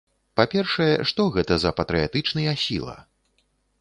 Па-першае, што гэта за патрыятычныя сіла?